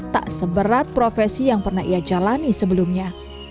tak seberat profesi yang pernah ia jalani sebelumnya